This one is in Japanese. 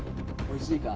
おいしいか。